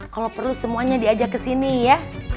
kalau perlu semuanya diajak kesini ya